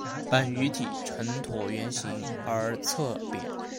本鱼体呈椭圆形而侧扁。